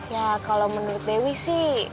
ya kalau menurut dewi sih